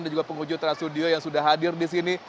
dan juga penghujung trans studio yang sudah hadir disini